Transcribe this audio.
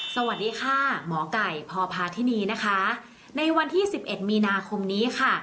สวัสดีค่ะหมอไก่พพาธินีนะคะในวันที่สิบเอ็ดมีนาคมนี้ค่ะ